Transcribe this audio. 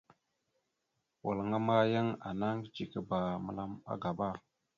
Walŋa ma, yan ana iŋgəcekaba məla agaba.